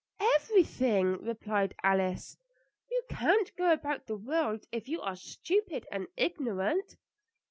"Everything," replied Alice. "You can't go about the world if you are stupid and ignorant."